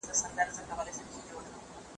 بد انسان تل درواغجن وي